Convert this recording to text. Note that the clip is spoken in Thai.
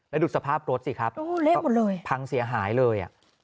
และดูสภาพรถสิครับพังเสียหายเลย